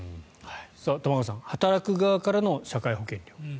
玉川さん働く側からの社会保険料。